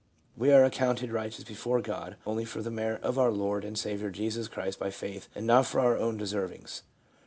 " We are ac counted righteous before God, only for the merit of our Lord and Saviour Jesus Christ by faith and not for our own de servings."